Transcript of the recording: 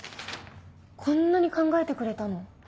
こんなに考えてくれたの？